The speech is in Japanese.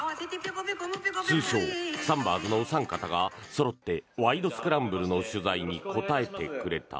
通称・サンバーズのお三方がそろって「ワイド！スクランブル」の取材に答えてくれた。